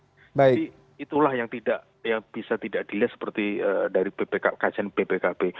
jadi itulah yang tidak yang bisa tidak dilihat seperti dari kcn pbkb